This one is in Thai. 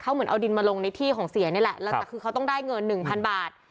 เหมือนเอาดินมาลงในที่ของเสียนี่แหละแล้วแต่คือเขาต้องได้เงินหนึ่งพันบาท